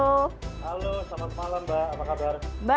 halo selamat malam mbak apa kabar